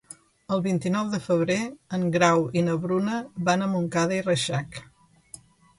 El vint-i-nou de febrer en Grau i na Bruna van a Montcada i Reixac.